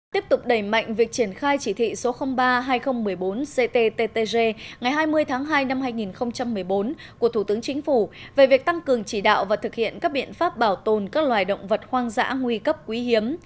tiếp tục đẩy mạnh việc triển khai chỉ thị số ba hai nghìn một mươi bốn cttg ngày hai mươi tháng hai năm hai nghìn một mươi bốn của thủ tướng chính phủ về việc tăng cường chỉ đạo và thực hiện các biện pháp bảo tồn các loài động vật hoang dã nguy cấp quý hiếm